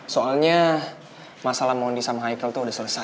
soalnya masalah mondi sama haikel tuh udah selesai